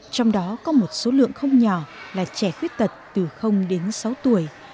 trong đó có một số lượng không nhỏ là trẻ khuyết tật từ đến sáu tuổi